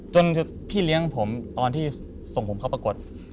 จนพี่เลี้ยงผมตอนที่ส่งผมเข้าปรากฏ